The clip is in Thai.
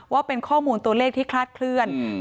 ว่าเป็นข้อมูลตัวเลขที่คลาดเคลื่อน